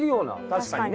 確かに。